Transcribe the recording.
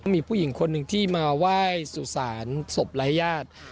มีผู้หญิงคนหนึ่งที่มาไหว้สุสานศพไร้ญาติ